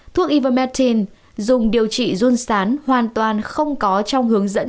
thuốc ivamedin dùng điều trị run sán hoàn toàn không có trong hướng dẫn